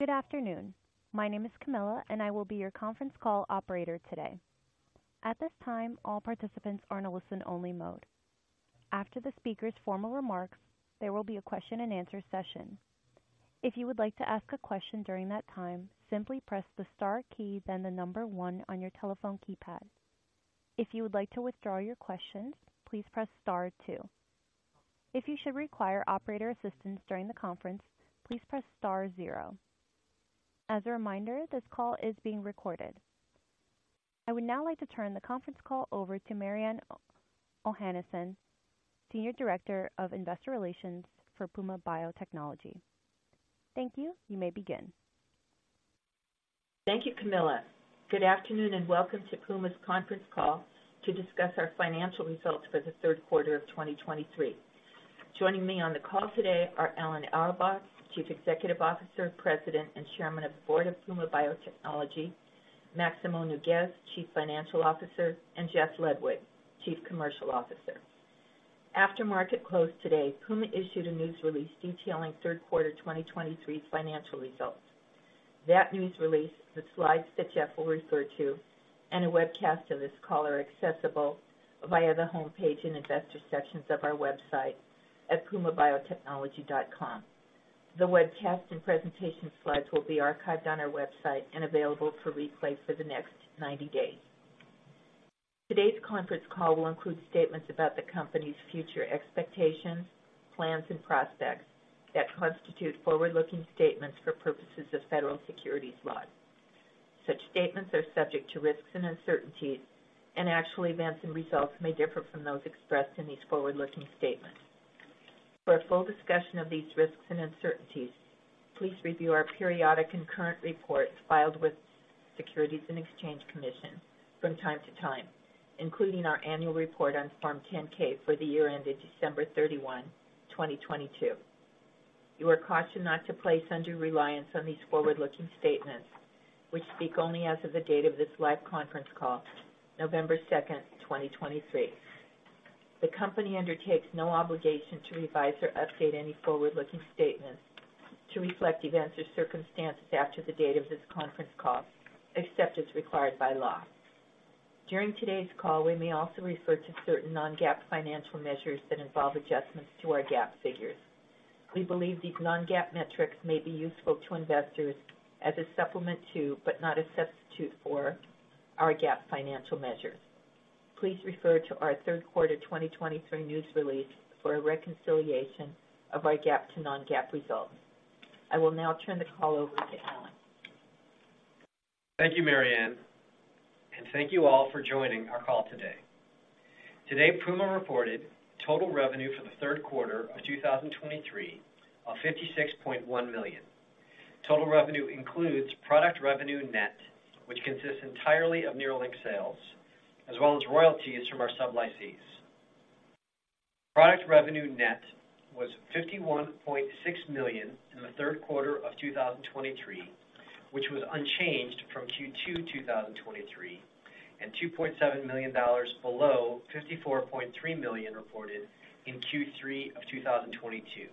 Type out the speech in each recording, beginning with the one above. Good afternoon. My name is Camilla, and I will be your conference call operator today. At this time, all participants are in a listen-only mode. After the speaker's formal remarks, there will be a question-and-answer session. If you would like to ask a question during that time, simply press the star key, then the number one on your telephone keypad. If you would like to withdraw your question, please press star two. If you should require operator assistance during the conference, please press star zero. As a reminder, this call is being recorded. I would now like to turn the conference call over to Mariann Ohanesian, Senior Director of Investor Relations for Puma Biotechnology. Thank you. You may begin. Thank you, Camilla. Good afternoon, and welcome to Puma's conference call to discuss our financial results for the third quarter of 2023. Joining me on the call today are Alan Auerbach, Chief Executive Officer, President, and Chairman of the Board of Puma Biotechnology; Maximo Nougues, Chief Financial Officer; and Jeff Ludwig, Chief Commercial Officer. After market close today, Puma issued a news release detailing third quarter 2023's financial results. That news release, the slides that Jeff will refer to, and a webcast of this call are accessible via the homepage and investor sections of our website at pumabiotechnology.com. The webcast and presentation slides will be archived on our website and available for replay for the next 90 days. Today's conference call will include statements about the company's future expectations, plans, and prospects that constitute forward-looking statements for purposes of federal securities laws. Such statements are subject to risks and uncertainties, and actual events and results may differ from those expressed in these forward-looking statements. For a full discussion of these risks and uncertainties, please review our periodic and current reports filed with Securities and Exchange Commission from time to time, including our annual report on Form 10-K for the year ended December 31, 2022. You are cautioned not to place undue reliance on these forward-looking statements, which speak only as of the date of this live conference call, November 2, 2023. The company undertakes no obligation to revise or update any forward-looking statements to reflect events or circumstances after the date of this conference call, except as required by law. During today's call, we may also refer to certain non-GAAP financial measures that involve adjustments to our GAAP figures. We believe these non-GAAP metrics may be useful to investors as a supplement to, but not a substitute for, our GAAP financial measures. Please refer to our third quarter 2023 news release for a reconciliation of our GAAP to non-GAAP results. I will now turn the call over to Alan. Thank you, Mariann, and thank you all for joining our call today. Today, Puma reported total revenue for the third quarter of 2023 of $56.1 million. Total revenue includes product revenue net, which consists entirely of NERLYNX sales, as well as royalties from our sublicensees. Product revenue net was $51.6 million in the third quarter of 2023, which was unchanged from Q2 2023, and $2.7 million below $54.3 million reported in Q3 of 2022.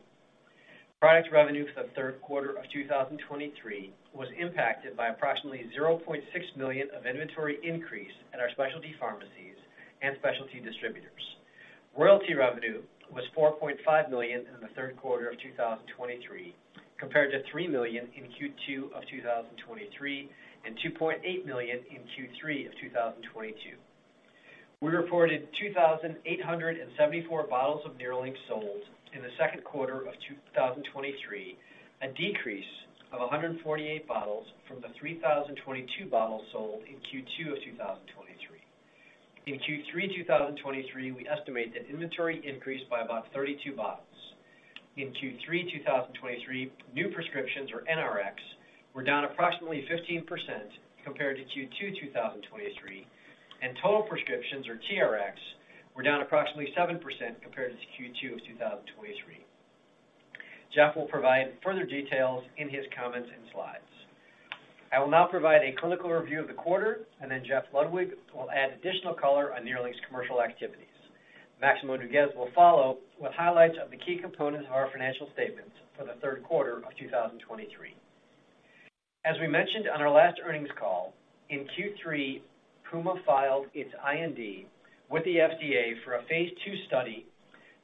Product revenue for the third quarter of 2023 was impacted by approximately $0.6 million of inventory increase at our specialty pharmacies and specialty distributors. Royalty revenue was $4.5 million in the third quarter of 2023, compared to $3 million in Q2 of 2023 and $2.8 million in Q3 of 2022. We reported 2,874 bottles of NERLYNX sold in the second quarter of 2023, a decrease of 148 bottles from the 3,022 bottles sold in Q2 of 2023. In Q3 2023, we estimate that inventory increased by about 32 bottles. In Q3 2023, new prescriptions, or NRX, were down approximately 15% compared to Q2 2023, and total prescriptions, or TRX, were down approximately 7% compared to Q2 of 2023. Jeff will provide further details in his comments and slides. I will now provide a clinical review of the quarter, and then Jeff Ludwig will add additional color on NERLYNX's commercial activities. Maximo Nougues will follow with highlights of the key components of our financial statements for the third quarter of 2023. As we mentioned on our last earnings call, in Q3, Puma filed its IND with the FDA for a phase II study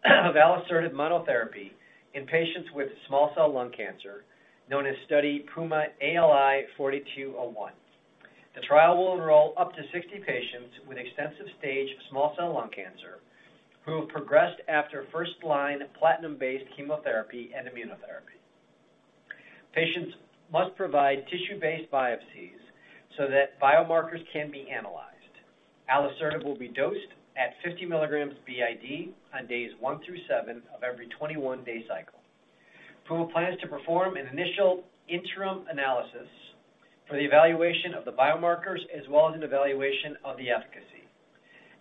of alisertib monotherapy in patients with small cell lung cancer, known as Study PUMA-ALI-4201. The trial will enroll up to 60 patients with extensive stage small cell lung cancer who have progressed after first-line platinum-based chemotherapy and immunotherapy. Patients must provide tissue-based biopsies so that biomarkers can be analyzed. Alisertib will be dosed at 50 milligrams BID on days 1 through 7 of every 21-day cycle. Puma plans to perform an initial interim analysis for the evaluation of the biomarkers, as well as an evaluation of the efficacy.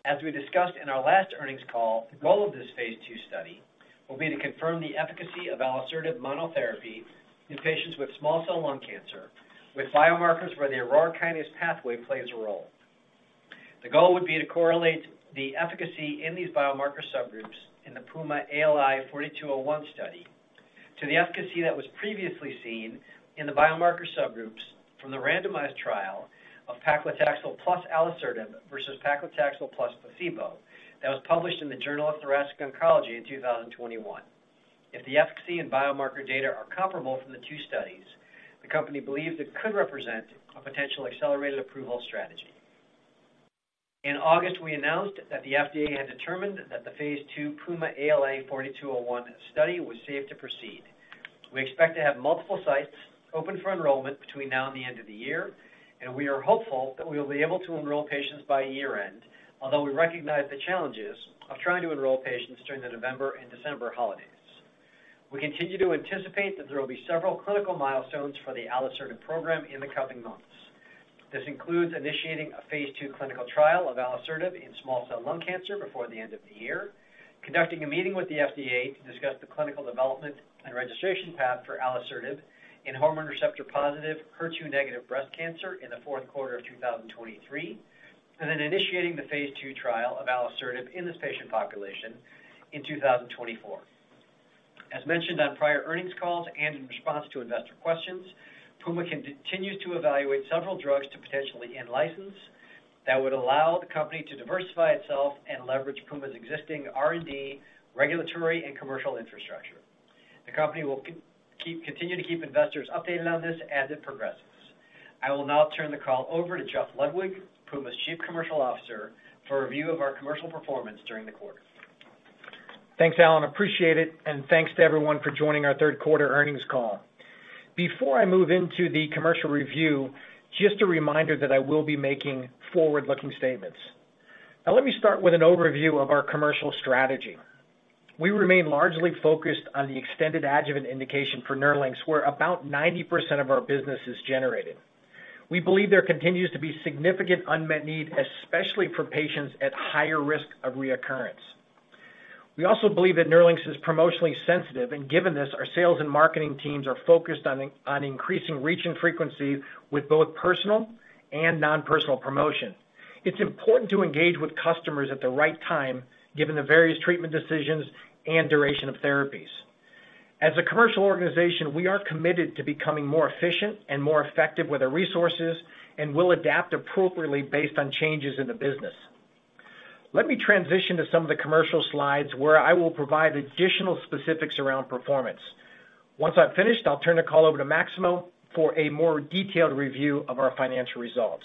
As we discussed in our last earnings call, the goal of this phase II study will be to confirm the efficacy of alisertib monotherapy in patients with small cell lung cancer, with biomarkers where the Aurora kinase pathway plays a role....The goal would be to correlate the efficacy in these biomarker subgroups in the PUMA-ALI-4201 study, to the efficacy that was previously seen in the biomarker subgroups from the randomized trial of paclitaxel plus alisertib versus paclitaxel plus placebo, that was published in the Journal of Thoracic Oncology in 2021. If the efficacy and biomarker data are comparable from the two studies, the company believes it could represent a potential accelerated approval strategy. In August, we announced that the FDA had determined that the phase II PUMA-ALI-4201 study was safe to proceed. We expect to have multiple sites open for enrollment between now and the end of the year, and we are hopeful that we will be able to enroll patients by year-end, although we recognize the challenges of trying to enroll patients during the November and December holidays. We continue to anticipate that there will be several clinical milestones for the alisertib program in the coming months. This includes initiating a phase II clinical trial of alisertib in small cell lung cancer before the end of the year, conducting a meeting with the FDA to discuss the clinical development and registration path for alisertib in hormone receptor-positive, HER2-negative breast cancer in the fourth quarter of 2023, and then initiating the phase II trial of alisertib in this patient population in 2024. As mentioned on prior earnings calls and in response to investor questions, Puma continues to evaluate several drugs to potentially in-license that would allow the company to diversify itself and leverage Puma's existing R&D, regulatory, and commercial infrastructure. The company will continue to keep investors updated on this as it progresses. I will now turn the call over to Jeff Ludwig, Puma's Chief Commercial Officer, for a review of our commercial performance during the quarter. Thanks, Alan, I appreciate it, and thanks to everyone for joining our third quarter earnings call. Before I move into the commercial review, just a reminder that I will be making forward-looking statements. Now, let me start with an overview of our commercial strategy. We remain largely focused on the extended adjuvant indication for NERLYNX, where about 90% of our business is generated. We believe there continues to be significant unmet need, especially for patients at higher risk of reoccurrence. We also believe that NERLYNX is promotionally sensitive, and given this, our sales and marketing teams are focused on increasing reach and frequency with both personal and non-personal promotion. It's important to engage with customers at the right time, given the various treatment decisions and duration of therapies. As a commercial organization, we are committed to becoming more efficient and more effective with our resources, and we'll adapt appropriately based on changes in the business. Let me transition to some of the commercial slides, where I will provide additional specifics around performance. Once I've finished, I'll turn the call over to Maximo for a more detailed review of our financial results.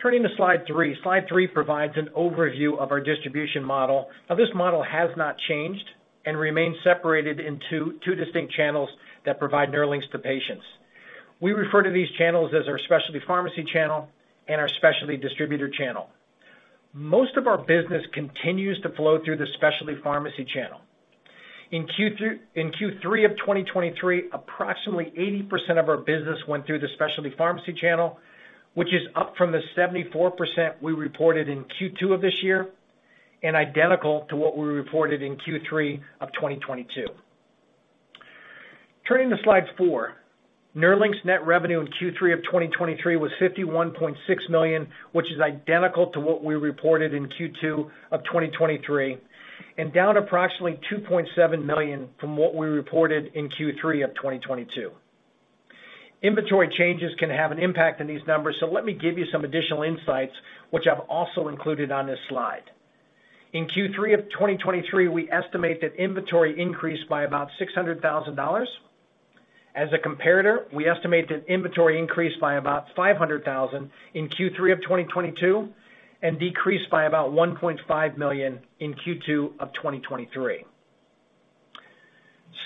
Turning to slide three. Slide three provides an overview of our distribution model. Now, this model has not changed and remains separated into two distinct channels that provide NERLYNX to patients. We refer to these channels as our specialty pharmacy channel and our specialty distributor channel. Most of our business continues to flow through the specialty pharmacy channel. In Q3 of 2023, approximately 80% of our business went through the specialty pharmacy channel, which is up from the 74% we reported in Q2 of this year, and identical to what we reported in Q3 of 2022. Turning to slide 4. NERLYNX net revenue in Q3 of 2023 was $51.6 million, which is identical to what we reported in Q2 of 2023, and down approximately $2.7 million from what we reported in Q3 of 2022. Inventory changes can have an impact on these numbers, so let me give you some additional insights, which I've also included on this slide. In Q3 of 2023, we estimate that inventory increased by about $600,000. As a comparator, we estimate that inventory increased by about $500,000 in Q3 of 2022, and decreased by about $1.5 million in Q2 of 2023.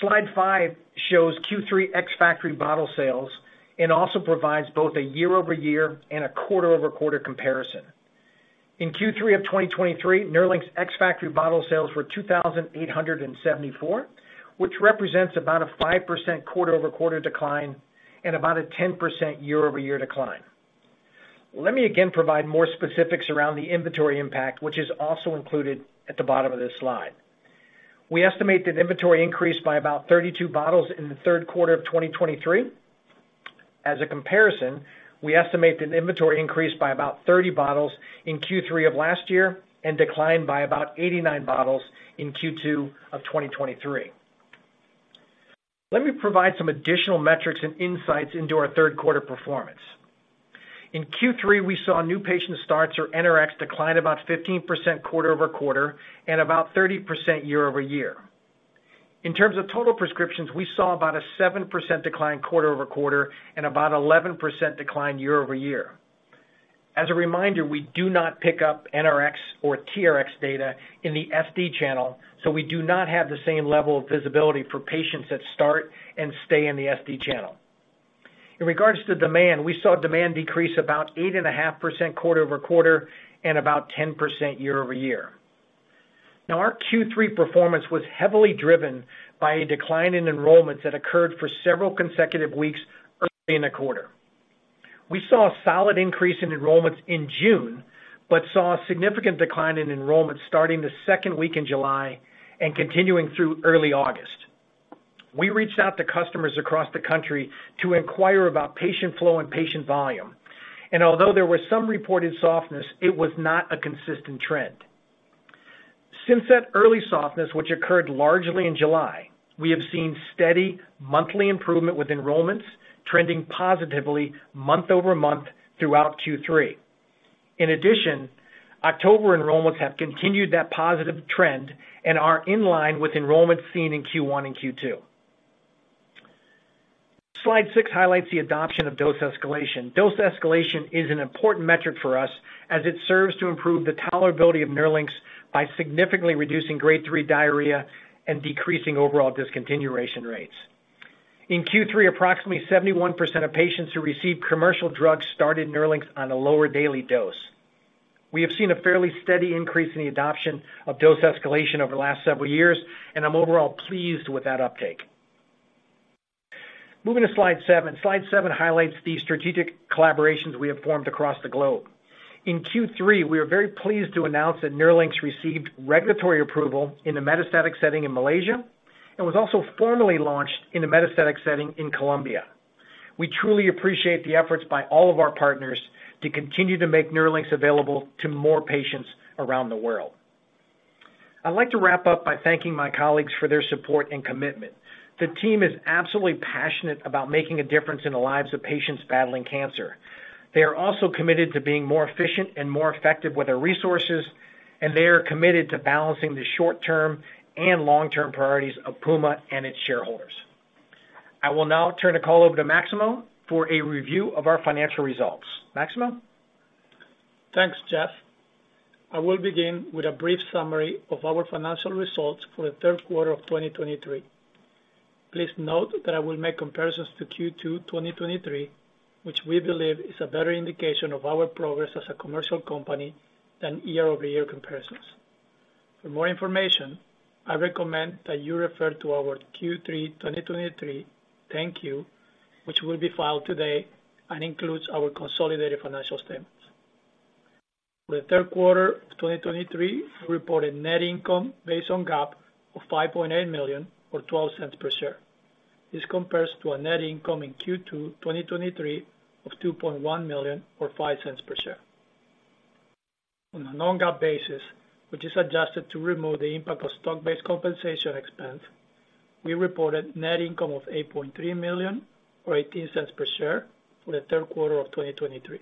Slide 5 shows Q3 ex-factory bottle sales, and also provides both a year-over-year and a quarter-over-quarter comparison. In Q3 of 2023, NERLYNX ex-factory bottle sales were 2,874, which represents about a 5% quarter-over-quarter decline and about a 10% year-over-year decline. Let me again provide more specifics around the inventory impact, which is also included at the bottom of this slide. We estimate that inventory increased by about 32 bottles in the third quarter of 2023. As a comparison, we estimate that inventory increased by about 30 bottles in Q3 of last year and declined by about 89 bottles in Q2 of 2023. Let me provide some additional metrics and insights into our third quarter performance. In Q3, we saw new patient starts or NRX decline about 15% quarter-over-quarter and about 30% year-over-year. In terms of total prescriptions, we saw about a 7% decline quarter-over-quarter and about 11% decline year-over-year. As a reminder, we do not pick up NRX or TRX data in the SD channel, so we do not have the same level of visibility for patients that start and stay in the SD channel. In regards to demand, we saw demand decrease about 8.5% quarter-over-quarter and about 10% year-over-year. Now, our Q3 performance was heavily driven by a decline in enrollments that occurred for several consecutive weeks early in the quarter. We saw a solid increase in enrollments in June, but saw a significant decline in enrollments starting the second week in July and continuing through early August. We reached out to customers across the country to inquire about patient flow and patient volume. Although there was some reported softness, it was not a consistent trend. Since that early softness, which occurred largely in July, we have seen steady monthly improvement with enrollments trending positively month-over-month throughout Q3. In addition, October enrollments have continued that positive trend and are in line with enrollments seen in Q1 and Q2. Slide 6 highlights the adoption of dose escalation. Dose escalation is an important metric for us, as it serves to improve the tolerability of NERLYNX by significantly reducing grade 3 diarrhea and decreasing overall discontinuation rates. In Q3, approximately 71% of patients who received commercial drugs started NERLYNX on a lower daily dose. We have seen a fairly steady increase in the adoption of dose escalation over the last several years, and I'm overall pleased with that uptake. Moving to slide seven. Slide seven highlights the strategic collaborations we have formed across the globe. In Q3, we are very pleased to announce that NERLYNX received regulatory approval in the metastatic setting in Malaysia, and was also formally launched in the metastatic setting in Colombia. We truly appreciate the efforts by all of our partners to continue to make NERLYNX available to more patients around the world. I'd like to wrap up by thanking my colleagues for their support and commitment. The team is absolutely passionate about making a difference in the lives of patients battling cancer. They are also committed to being more efficient and more effective with their resources, and they are committed to balancing the short-term and long-term priorities of Puma and its shareholders. I will now turn the call over to Maximo for a review of our financial results. Maximo? Thanks, Jeff. I will begin with a brief summary of our financial results for the third quarter of 2023. Please note that I will make comparisons to Q2 2023, which we believe is a better indication of our progress as a commercial company than year-over-year comparisons. For more information, I recommend that you refer to our Q3 2023 10-Q, which will be filed today and includes our consolidated financial statements. For the third quarter of 2023, we reported net income based on GAAP of $5.8 million or $0.12 per share. This compares to a net income in Q2 2023 of $2.1 million, or $0.05 per share. On a non-GAAP basis, which is adjusted to remove the impact of stock-based compensation expense, we reported net income of $8.3 million or $0.18 per share for the third quarter of 2023.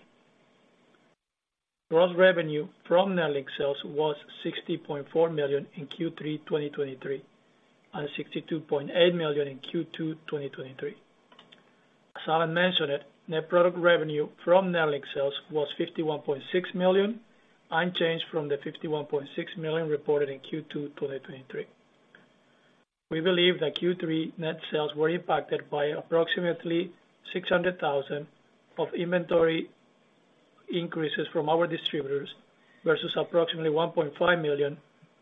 Gross revenue from NERLYNX sales was $60.4 million in Q3 2023, and $62.8 million in Q2 2023. As Alan mentioned it, net product revenue from NERLYNX sales was $51.6 million, unchanged from the $51.6 million reported in Q2 2023. We believe that Q3 net sales were impacted by approximately $600,000 of inventory increases from our distributors, versus approximately $1.5 million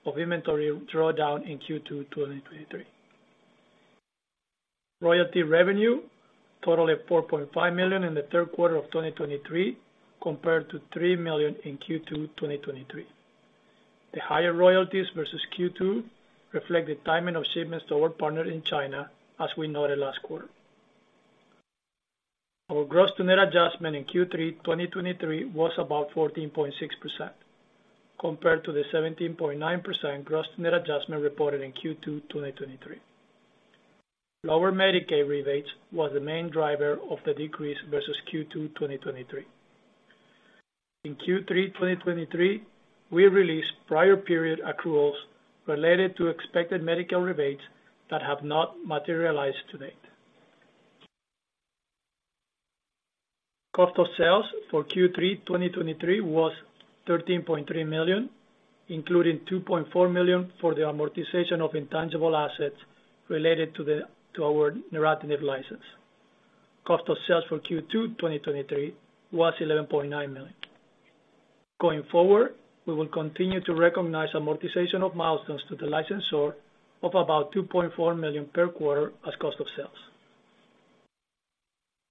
of inventory drawdown in Q2 2023. Royalty revenue totaled at $4.5 million in the third quarter of 2023, compared to $3 million in Q2 2023. The higher royalties versus Q2 reflect the timing of shipments to our partner in China, as we noted last quarter. Our gross-to-net adjustment in Q3 2023 was about 14.6%, compared to the 17.9% gross-to-net adjustment reported in Q2 2023. Lower Medicaid rebates was the main driver of the decrease versus Q2 2023. In Q3 2023, we released prior period accruals related to expected medical rebates that have not materialized to date. Cost of sales for Q3 2023 was $13.3 million, including $2.4 million for the amortization of intangible assets related to our neratinib license. Cost of sales for Q2 2023 was $11.9 million. Going forward, we will continue to recognize amortization of milestones to the licensor of about $2.4 million per quarter as cost of sales.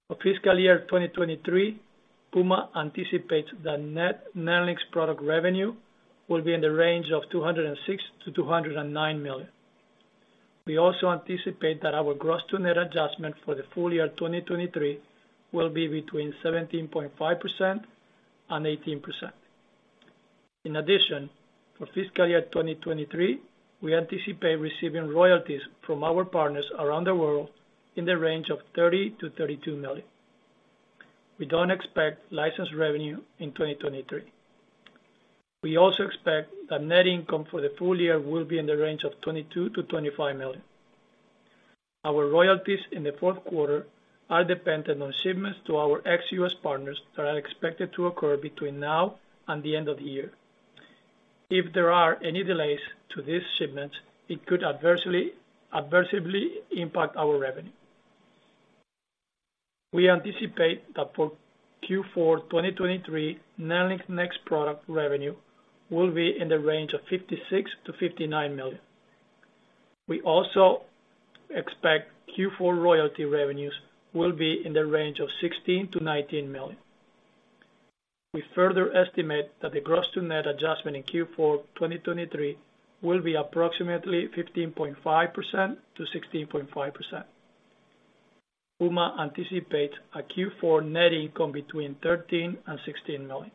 For fiscal year 2023, Puma anticipates that net NERLYNX product revenue will be in the range of $206 million-$209 million. We also anticipate that our gross-to-net adjustment for the full year 2023 will be between 17.5%-18%. In addition, for fiscal year 2023, we anticipate receiving royalties from our partners around the world in the range of $30 million-$32 million. We don't expect license revenue in 2023. We also expect that net income for the full year will be in the range of $22 million-$25 million. Our royalties in the fourth quarter are dependent on shipments to our ex-US partners that are expected to occur between now and the end of the year. If there are any delays to these shipments, it could adversely impact our revenue. We anticipate that for Q4 2023, NERLYNX net product revenue will be in the range of $56 million-$59 million. We also expect Q4 royalty revenues will be in the range of $16 million-$19 million. We further estimate that the gross-to-net adjustment in Q4 2023 will be approximately 15.5%-16.5%. Puma anticipates a Q4 net income between $13 million and $16 million.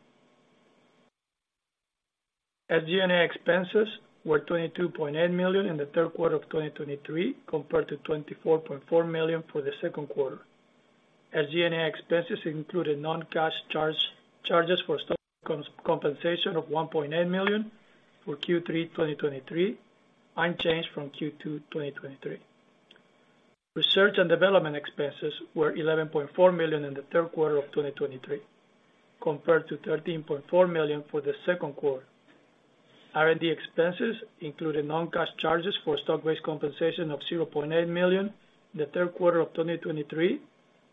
SG&A expenses were $22.8 million in the third quarter of 2023, compared to $24.4 million for the second quarter. SG&A expenses included non-cash charges for stock compensation of $1.8 million for Q3 2023, unchanged from Q2 2023. Research and development expenses were $11.4 million in the third quarter of 2023, compared to $13.4 million for the second quarter. R&D expenses included non-cash charges for stock-based compensation of $0.8 million in the third quarter of 2023,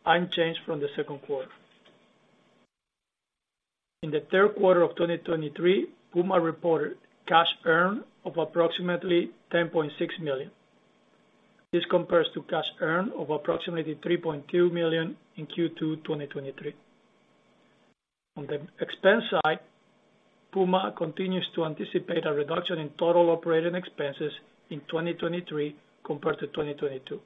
unchanged from the second quarter. In the third quarter of 2023, Puma reported cash earned of approximately $10.6 million. This compares to cash earned of approximately $3.2 million in Q2 2023. On the expense side, Puma continues to anticipate a reduction in total operating expenses in 2023 compared to 2022.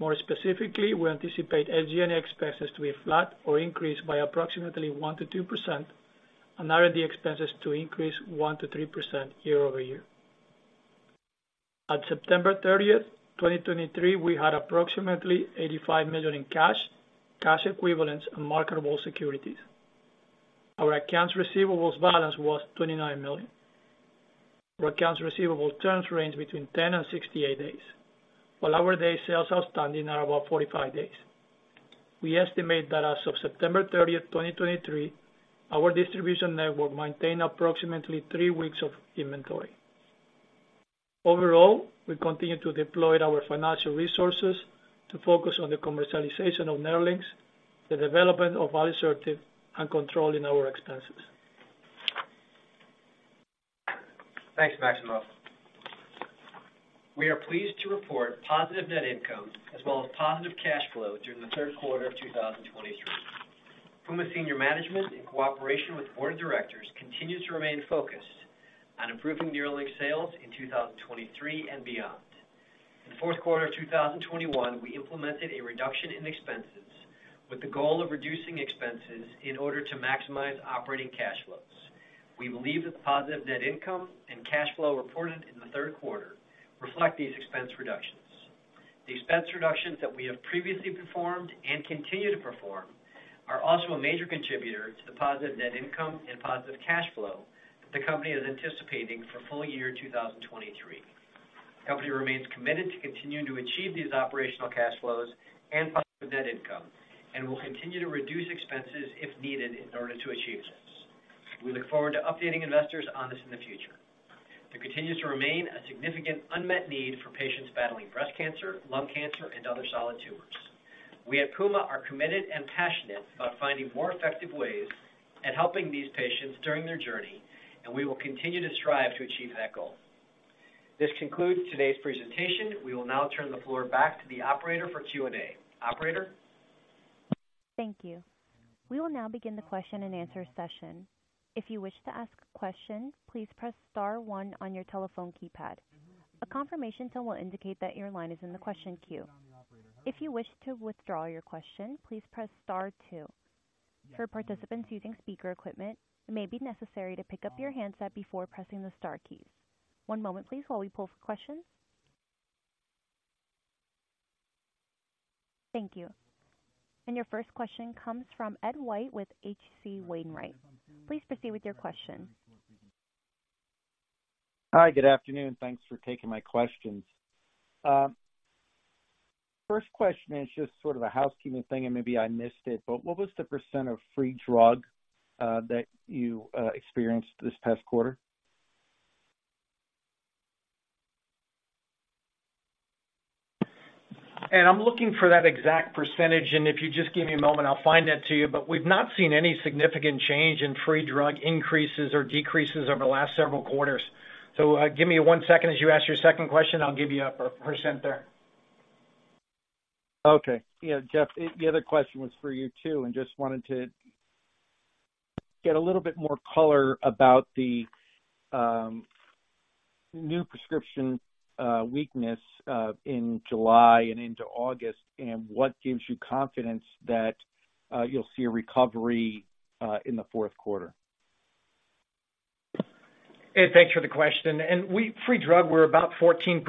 More specifically, we anticipate SG&A expenses to be flat or increased by approximately 1%-2% and R&D expenses to increase 1%-3% year-over-year. At September 30th, 2023, we had approximately $85 million in cash, cash equivalents, and marketable securities. Our accounts receivable balance was $29 million. Our accounts receivable terms range between 10 days and 68 days, while our days sales outstanding are about 45 days. We estimate that as of September 30, 2023, our distribution network maintained approximately 3 weeks of inventory. Overall, we continue to deploy our financial resources to focus on the commercialization of NERLYNX, the development of alisertib, and controlling our expenses. Thanks, Maximo. We are pleased to report positive net income as well as positive cash flow during the third quarter of 2023. Puma senior management, in cooperation with the board of directors, continues to remain focused on improving NERLYNX sales in 2023 and beyond. In fourth quarter of 2021, we implemented a reduction in expenses with the goal of reducing expenses in order to maximize operating cash flows. We believe that the positive net income and cash flow reported in the third quarter reflect these expense reductions. The expense reductions that we have previously performed and continue to perform are also a major contributor to the positive net income and positive cash flow that the company is anticipating for full year 2023. The company remains committed to continuing to achieve these operational cash flows and positive net income, and will continue to reduce expenses if needed in order to achieve this. We look forward to updating investors on this in the future. There continues to remain a significant unmet need for patients battling breast cancer, lung cancer, and other solid tumors. We at Puma are committed and passionate about finding more effective ways at helping these patients during their journey, and we will continue to strive to achieve that goal. This concludes today's presentation. We will now turn the floor back to the operator for Q&A. Operator? Thank you. We will now begin the question-and-answer session. If you wish to ask a question, please press star one on your telephone keypad. A confirmation tone will indicate that your line is in the question queue. If you wish to withdraw your question, please press star two. For participants using speaker equipment, it may be necessary to pick up your handset before pressing the star keys. One moment, please, while we pull for questions. Thank you. Your first question comes from Ed White with H.C. Wainwright. Please proceed with your question. Hi, good afternoon. Thanks for taking my questions. First question is just sort of a housekeeping thing, and maybe I missed it, but what was the % of free drug that you experienced this past quarter? I'm looking for that exact percentage, and if you just give me a moment, I'll find that to you. But we've not seen any significant change in free drug increases or decreases over the last several quarters. So, give me one second as you ask your second question, I'll give you a percent there. Okay. Yeah, Jeff, the other question was for you, too, and just wanted to get a little bit more color about the new prescription weakness in July and into August, and what gives you confidence that you'll see a recovery in the fourth quarter? Hey, thanks for the question. And we free drug, we're about 14%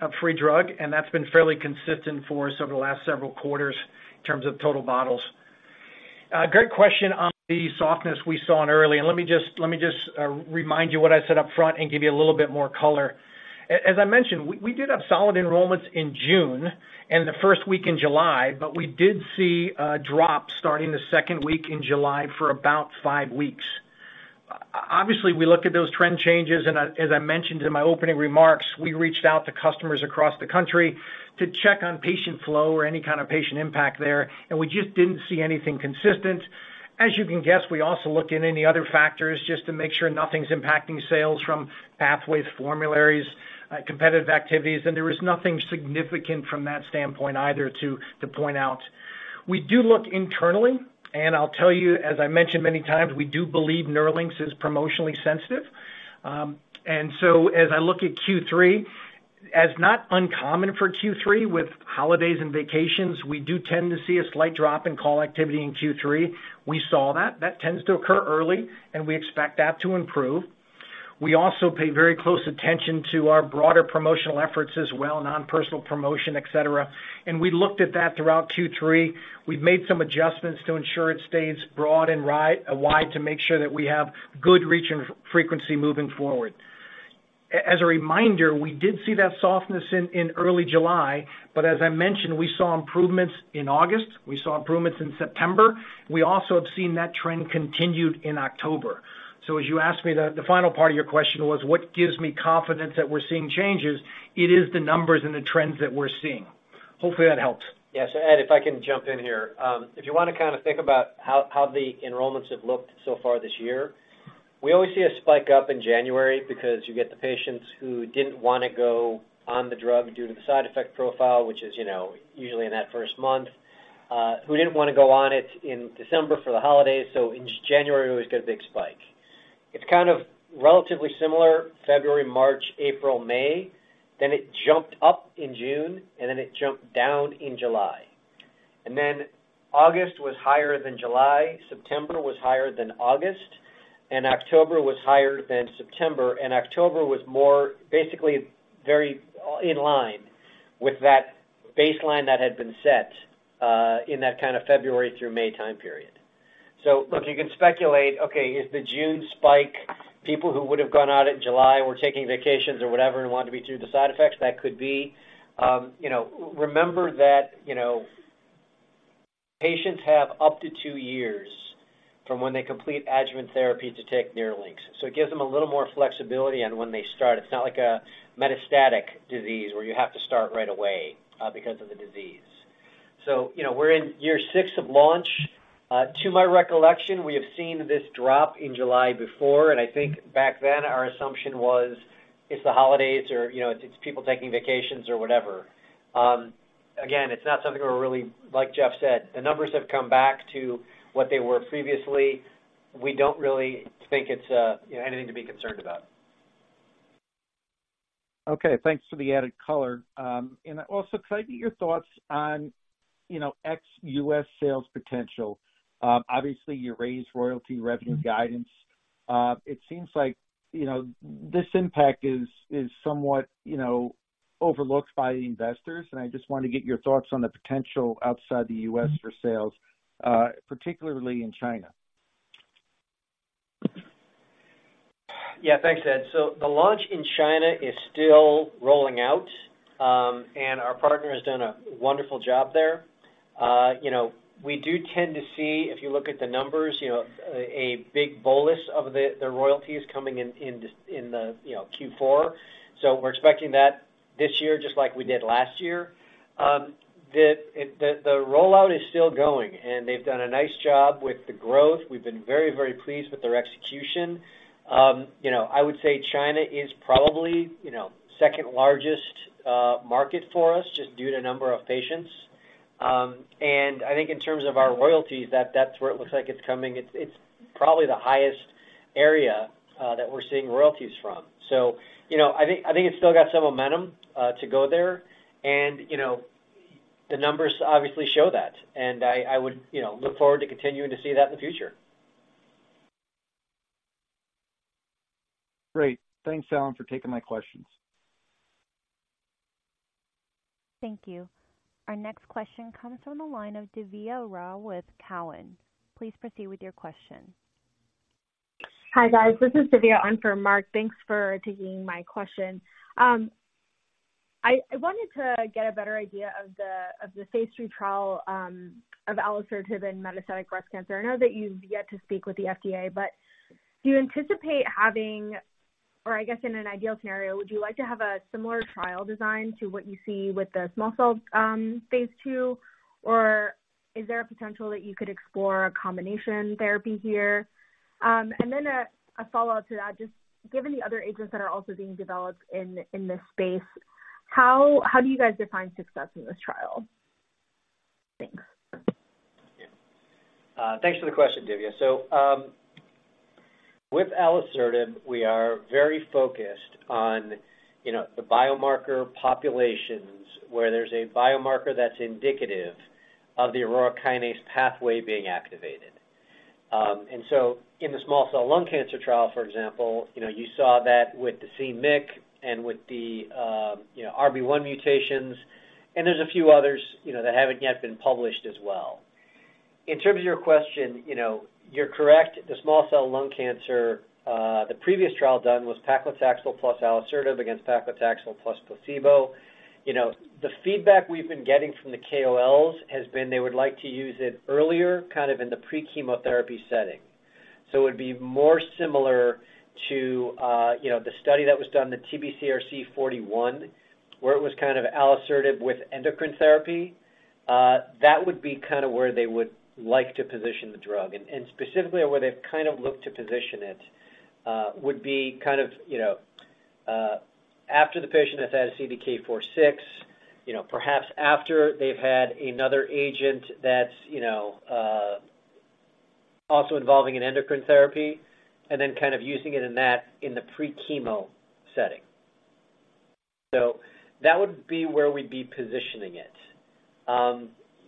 of free drug, and that's been fairly consistent for us over the last several quarters in terms of total bottles. Great question on the softness we saw in early. And let me just remind you what I said up front and give you a little bit more color. As I mentioned, we did have solid enrollments in June and the first week in July, but we did see a drop starting the second week in July for about 5 weeks. Obviously, we looked at those trend changes, and as I mentioned in my opening remarks, we reached out to customers across the country to check on patient flow or any kind of patient impact there, and we just didn't see anything consistent. As you can guess, we also looked at any other factors just to make sure nothing's impacting sales from pathways, formularies, competitive activities, and there was nothing significant from that standpoint either to point out.... We do look internally, and I'll tell you, as I mentioned many times, we do believe NERLYNX is promotionally sensitive. And so as I look at Q3, as not uncommon for Q3, with holidays and vacations, we do tend to see a slight drop in call activity in Q3. We saw that. That tends to occur early, and we expect that to improve. We also pay very close attention to our broader promotional efforts as well, non-personal promotion, et cetera, and we looked at that throughout Q3. We've made some adjustments to ensure it stays broad and wide, to make sure that we have good reach and frequency moving forward. As a reminder, we did see that softness in early July, but as I mentioned, we saw improvements in August. We saw improvements in September. We also have seen that trend continued in October. So as you asked me, the final part of your question was, what gives me confidence that we're seeing changes? It is the numbers and the trends that we're seeing. Hopefully, that helps. Yes, Ed, if I can jump in here. If you wanna kind of think about how the enrollments have looked so far this year, we always see a spike up in January because you get the patients who didn't wanna go on the drug due to the side effect profile, which is, you know, usually in that first month, who didn't wanna go on it in December for the holidays, so in January, we always get a big spike. It's kind of relatively similar, February, March, April, May, then it jumped up in June, and then it jumped down in July. And then August was higher than July, September was higher than August, and October was higher than September, and October was more basically very in line with that baseline that had been set in that kind of February through May time period. So look, you can speculate, okay, is the June spike, people who would have gone out in July or taking vacations or whatever and wanted to be through the side effects, that could be. You know, remember that, you know, patients have up to two years from when they complete adjuvant therapy to take NERLYNX. So it gives them a little more flexibility on when they start. It's not like a metastatic disease, where you have to start right away, because of the disease. So, you know, we're in year six of launch. To my recollection, we have seen this drop in July before, and I think back then, our assumption was, it's the holidays or, you know, it's people taking vacations or whatever. Again, it's not something we're really, like Jeff said, the numbers have come back to what they were previously. We don't really think it's, you know, anything to be concerned about. Okay, thanks for the added color. And also, could I get your thoughts on, you know, ex-U.S. sales potential? Obviously, you raised royalty revenue guidance. It seems like, you know, this impact is, is somewhat, you know, overlooked by the investors, and I just wanted to get your thoughts on the potential outside the U.S. for sales, particularly in China. Yeah, thanks, Ed. So the launch in China is still rolling out, and our partner has done a wonderful job there. You know, we do tend to see, if you look at the numbers, you know, a big bolus of the royalties coming in in this Q4. So we're expecting that this year, just like we did last year. The rollout is still going, and they've done a nice job with the growth. We've been very, very pleased with their execution. You know, I would say China is probably, you know, second largest market for us, just due to number of patients. And I think in terms of our royalties, that's where it looks like it's coming. It's probably the highest area that we're seeing royalties from. So, you know, I think, I think it's still got some momentum to go there, and, you know, the numbers obviously show that, and I, I would, you know, look forward to continuing to see that in the future. Great. Thanks, Alan, for taking my questions. Thank you. Our next question comes from the line of Divya Rao with Cowen. Please proceed with your question. Hi, guys. This is Divya. I'm for Marc. Thanks for taking my question. I wanted to get a better idea of the phase III trial of alisertib in metastatic breast cancer. I know that you've yet to speak with the FDA, but do you anticipate having... or I guess, in an ideal scenario, would you like to have a similar trial design to what you see with the small cell phase II? Or is there a potential that you could explore a combination therapy here? And then a follow-up to that, just given the other agents that are also being developed in this space, how do you guys define success in this trial? Thanks. Thanks for the question, Divya. So, with alisertib, we are very focused on, you know, the biomarker populations, where there's a biomarker that's indicative of the Aurora kinase pathway being activated. And so in the small cell lung cancer trial, for example, you know, you saw that with the c-MYC and with the, you know, RB1 mutations, and there's a few others, you know, that haven't yet been published as well. In terms of your question, you know, you're correct. The small cell lung cancer, the previous trial done was paclitaxel plus alisertib against paclitaxel plus placebo. You know, the feedback we've been getting from the KOLs has been they would like to use it earlier, kind of in the pre-chemotherapy setting. So it would be more similar to, you know, the study that was done, the TBCRC 41, where it was kind of alisertib with endocrine therapy. That would be kind of where they would like to position the drug. And specifically, where they've kind of looked to position it, would be kind of, you know, after the patient has had CDK4/6, you know, perhaps after they've had another agent that's, you know, also involving an endocrine therapy and then kind of using it in that, in the pre-chemo setting. So that would be where we'd be positioning it.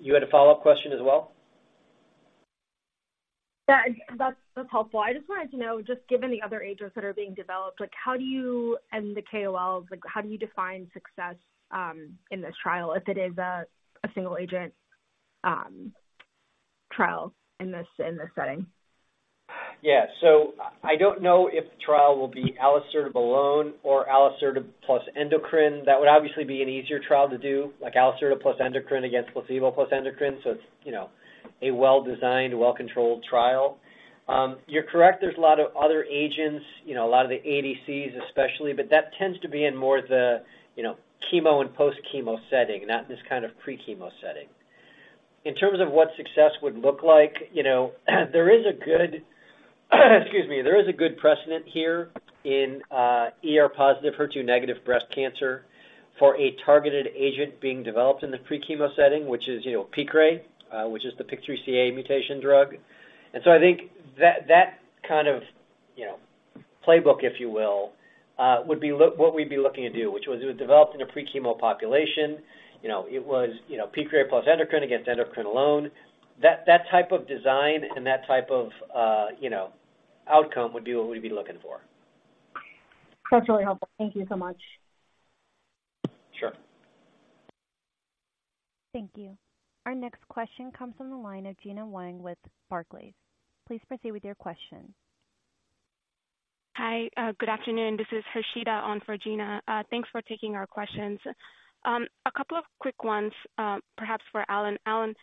You had a follow-up question as well? Yeah, that's helpful. I just wanted to know, just given the other agents that are being developed, like how do you... And the KOLs, like, how do you define success in this trial, if it is a single agent trial in this setting? Yeah. So I don't know if the trial will be alisertib alone or alisertib plus endocrine. That would obviously be an easier trial to do, like alisertib plus endocrine against placebo plus endocrine. So it's, you know, a well-designed, well-controlled trial. You're correct, there's a lot of other agents, you know, a lot of the ADCs especially, but that tends to be in more the, you know, chemo and post-chemo setting, not this kind of pre-chemo setting. In terms of what success would look like, you know, there is a good precedent here in ER-positive, HER2-negative breast cancer for a targeted agent being developed in the pre-chemo setting, which is, you know, Piqray, which is the PIK3CA mutation drug. I think that kind of, you know, playbook, if you will, would be what we'd be looking to do, which was developed in a pre-chemo population. You know, it was, you know, Piqray plus endocrine against endocrine alone. That type of design and that type of, you know, outcome would be what we'd be looking for. That's really helpful. Thank you so much. Sure. Thank you. Our next question comes from the line of Gina Wang with Barclays. Please proceed with your question. Hi, good afternoon. This is Rashida on for Gina. Thanks for taking our questions. A couple of quick ones, perhaps for Alan. Alan,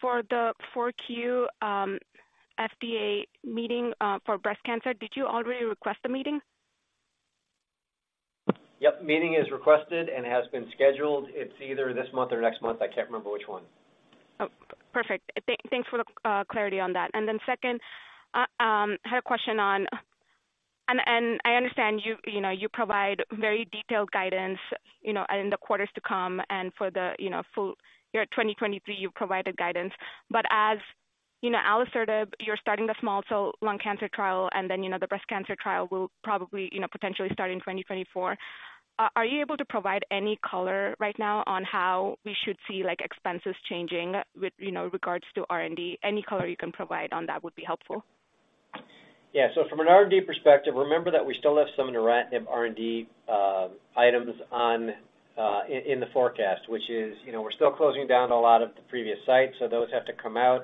for the Q4 FDA meeting for breast cancer, did you already request the meeting? Yep, meeting is requested and has been scheduled. It's either this month or next month. I can't remember which one. Oh, perfect. Thanks for the clarity on that. And then second, I had a question on... And I understand you know, you provide very detailed guidance, you know, in the quarters to come and for the, you know, full year 2023, you provided guidance. But as you know, alisertib, you're starting the small cell lung cancer trial, and then, you know, the breast cancer trial will probably, you know, potentially start in 2024. Are you able to provide any color right now on how we should see, like, expenses changing with, you know, regards to R&D? Any color you can provide on that would be helpful. Yeah. So from an R&D perspective, remember that we still have some neratinib R&D items on, in the forecast, which is, you know, we're still closing down a lot of the previous sites, so those have to come out.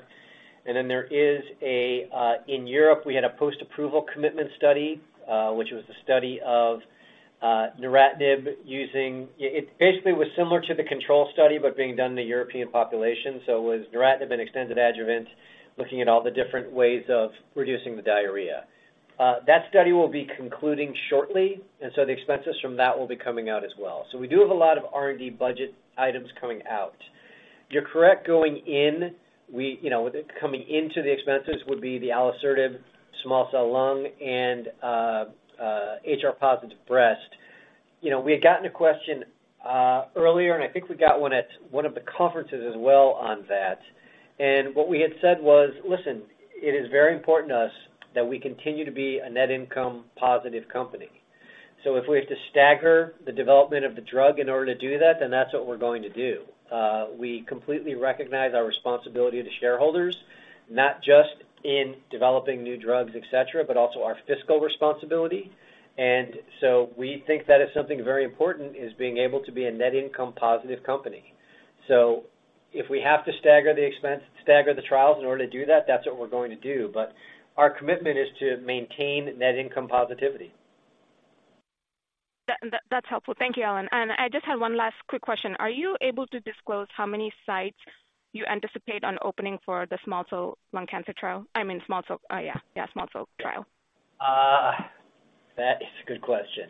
And then there is a... In Europe, we had a post-approval commitment study, which was a study of neratinib using... It basically was similar to the control study, but being done in the European population. So it was neratinib and extended adjuvant, looking at all the different ways of reducing the diarrhea. That study will be concluding shortly, and so the expenses from that will be coming out as well. So we do have a lot of R&D budget items coming out. You're correct, going in, we, you know, coming into the expenses would be the alisertib, small cell lung and HR-positive breast. You know, we had gotten a question earlier, and I think we got one at one of the conferences as well on that. And what we had said was, "Listen, it is very important to us that we continue to be a net income positive company. So if we have to stagger the development of the drug in order to do that, then that's what we're going to do." We completely recognize our responsibility to shareholders, not just in developing new drugs, etc., but also our fiscal responsibility. And so we think that is something very important, is being able to be a net income positive company. If we have to stagger the expense, stagger the trials in order to do that, that's what we're going to do. Our commitment is to maintain net income positivity. That, that's helpful. Thank you, Alan. And I just had one last quick question. Are you able to disclose how many sites you anticipate on opening for the small cell lung cancer trial? I mean, small cell trial. That is a good question.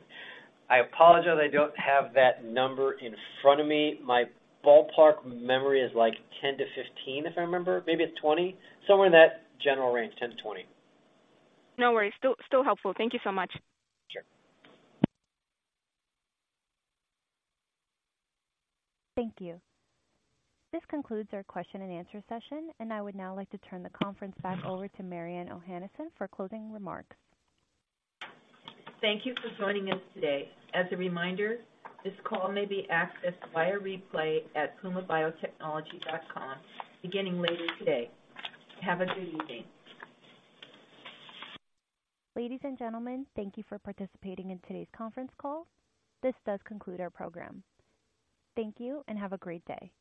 I apologize, I don't have that number in front of me. My ballpark memory is like 10-15, if I remember. Maybe it's 20. Somewhere in that general range, 10-20. No worries. Still, still helpful. Thank you so much. Sure. Thank you. This concludes our question and answer session, and I would now like to turn the conference back over to Mariann Ohanesian for closing remarks. Thank you for joining us today. As a reminder, this call may be accessed via replay at pumabiotech.com beginning later today. Have a good evening. Ladies and gentlemen, thank you for participating in today's conference call. This does conclude our program. Thank you, and have a great day.